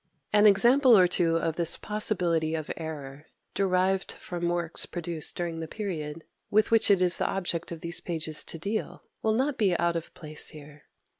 3. An example or two of this possibility of error, derived from works produced during the period with which it is the object of these pages to deal, will not be out of place here.